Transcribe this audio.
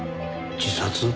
自殺？